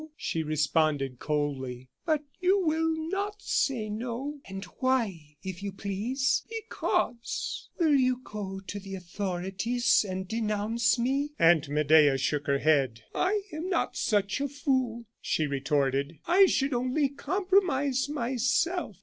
she responded, coldly. "But you will not say no." "And why, if you please?" "Because " "Will you go to the authorities and denounce me?" Aunt Medea shook her head. "I am not such a fool," she retorted. "I should only compromise myself.